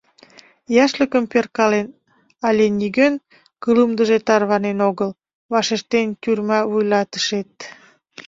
«Яшлыкым перкален, але нигӧн кылымдыже тарванен огыл», — вашештен тюрьма вуйлатышет.